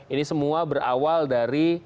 ini semua berawal dari